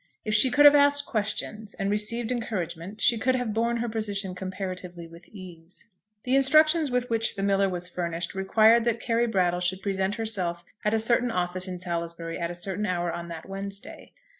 If she could have asked questions, and received encouragement, she could have borne her position comparatively with ease. The instructions with which the miller was furnished required that Carry Brattle should present herself at a certain office in Salisbury at a certain hour on that Wednesday.